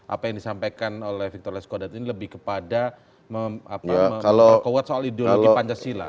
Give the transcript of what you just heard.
apa yang disampaikan oleh victor leskodat ini lebih kepada memperkuat soal ideologi pancasila